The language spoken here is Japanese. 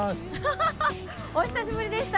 お久しぶりでした。